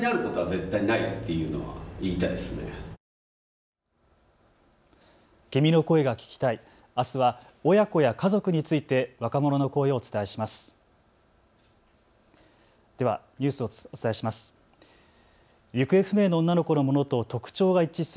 君の声が聴きたい、あすは親子や家族について若者の声をお伝えします。